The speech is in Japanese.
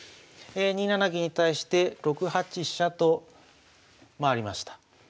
２七銀に対して６八飛車と回りました。